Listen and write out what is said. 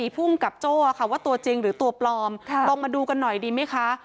ภูมิกับโจ้ว่าตัวจริงหรือตัวปลอมลงมาดูกันหน่อยดีไหมคะ